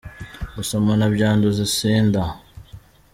Gusomana byanduza Sinda